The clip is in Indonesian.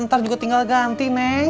ntar juga tinggal ganti me